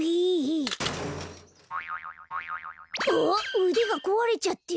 うでがこわれちゃってる。